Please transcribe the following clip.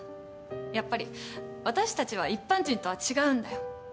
やっぱり私たちは一般人とは違うんだよ。